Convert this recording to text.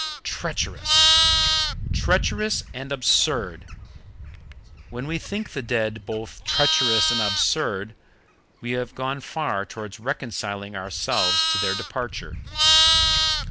Treacherous! treacherous and absurd! When we think the dead both treacherous and absurd, we have gone far towards reconciling ourselves to their departure.